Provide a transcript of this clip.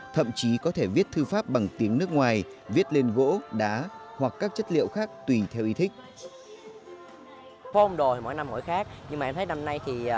thậm chí có thể viết thư pháp bằng tiếng nước ngoài viết lên gỗ đá hoặc các chất liệu khác tùy theo ý thích